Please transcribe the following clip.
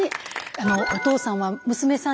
あのお父さんは娘さん